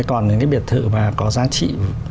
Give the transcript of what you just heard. còn những cái biệt thự mà có giá trị